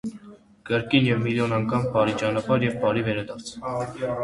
Կրկին և միլիոն անգամ բարի ճանապարհ և բարի վերադարձ: